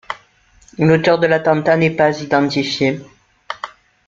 L'auteur de l'attentat n'est pas identifié.